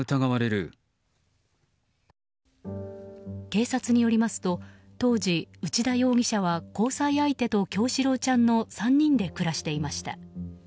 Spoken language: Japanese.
警察によりますと当時、内田容疑者は交際相手と叶志郎ちゃんの３人で暮らしていました。